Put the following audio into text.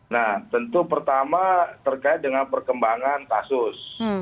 nah tentu pertama terkait dengan perkembangan kasus